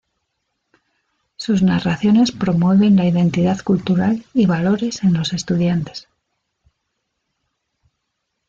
Sus narraciones promueven la identidad cultural y valores en los estudiantes.